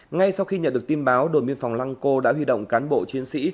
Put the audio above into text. ngay sau khi nhận được tin báo đồn biên phòng lăng cô đã huy động cán bộ chiến sĩ